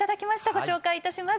ご紹介致します。